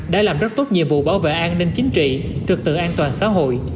đã làm rất tốt nhiệm vụ bảo vệ an ninh chính trị trực tự an toàn xã hội